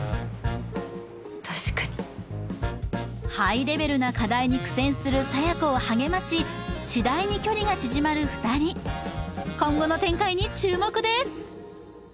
確かにハイレベルな課題に苦戦する佐弥子を励まし次第に距離が縮まる２人今後の展開に注目です